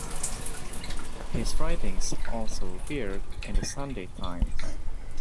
His writings also appeared in "The Sunday Times".